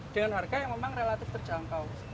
dengan harga yang memang relatif terjangkau